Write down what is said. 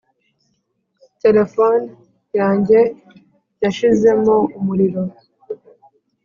Telephone yanjye yashizemo umuriro